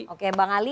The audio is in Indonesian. oke bang ali